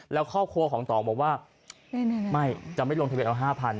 แล้วว่าไม่จะไม่ลงทะเบียนเออว่า๕๐๐๐บาท